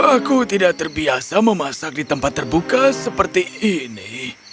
aku tidak terbiasa memasak di tempat terbuka seperti ini